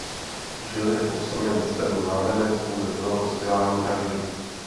Žil jako osamělý starý mládenec pouze pro vzdělání a vědu.